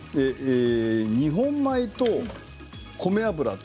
日本米と米油と。